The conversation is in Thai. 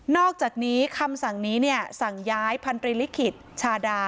นอกจากนี้คำสั่งนี้เนี่ยสั่งย้ายพันธุ์เรียนลิขิตชาดา